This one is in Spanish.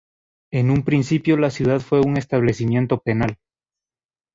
En un principio la ciudad fue un establecimiento penal.